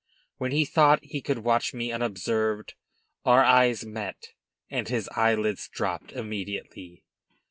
When he thought he could watch me unobserved our eyes met, and his eyelids dropped immediately.